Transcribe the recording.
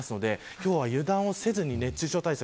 今日は油断をせずに熱中症対策